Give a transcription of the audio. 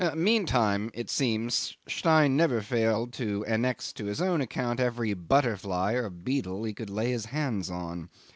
Meantime, it seems, Stein never failed to annex on his own account every butterfly or beetle he could lay hands on.